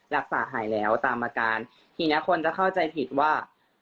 รักษาหายแล้วตามอาการทีเนี้ยคนจะเข้าใจผิดว่า